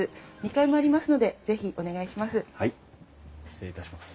２階もありますので是非お願いします。